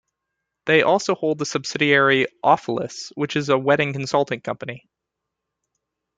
They also hold a subsidiary "Ofelis", which is a wedding consulting company.